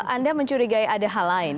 anda mencurigai ada hal lain